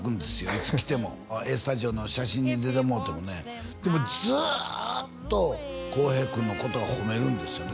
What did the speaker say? いつ来ても「ＡＳＴＵＤＩＯ＋」の写真に出てもうてもねでもずーっと洸平君のことは褒めるんですよね